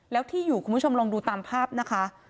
แล้วที่อยู่คุณผู้ชมลองดูตามภาพนะคะ